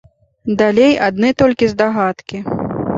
Далей адны толькі здагадкі.